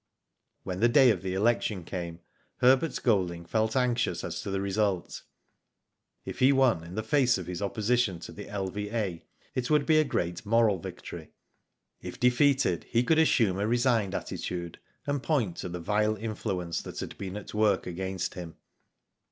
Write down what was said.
When the day of the election came, Herbert Golding felt anxious as to the result. If. he won in the face of his opposition to the L.V.A., it would be a great moral victory. If defeated he could assume a resigned attitude, and point to the vile influence that had .been at work against him.